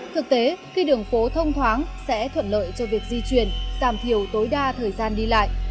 thực tế khi đường phố thông thoáng sẽ thuận lợi cho việc di chuyển giảm thiểu tối đa thời gian đi lại